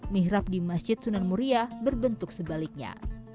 mihrab di masjid sunan muria berbentuk sebaliknya